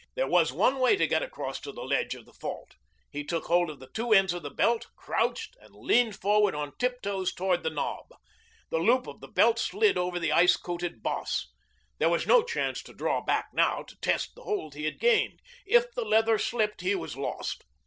There was one way to get across to the ledge of the fault. He took hold of the two ends of the belt, crouched, and leaned forward on tiptoes toward the knob. The loop of the belt slid over the ice coated boss. There was no chance to draw back now, to test the hold he had gained. If the leather slipped he was lost.